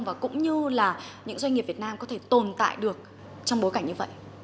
và cũng như là những doanh nghiệp việt nam có thể tồn tại được trong bối cảnh như vậy